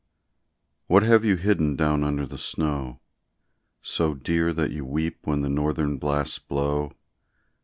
What have you hidden down under the snow, So dear that you weep when the northern blasts blow?